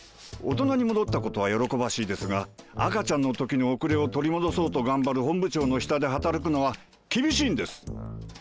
大人に戻ったことは喜ばしいですが赤ちゃんの時の遅れを取り戻そうと頑張る本部長の下で働くのは厳しいんです！